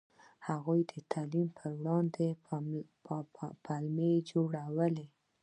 هغوی د تعلیم په وړاندې پلمه جوړوله.